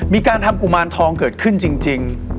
มีการทำกุมารทองเกิดขึ้นจริง